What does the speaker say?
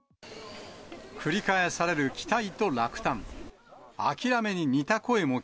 繰り返される期待と落胆。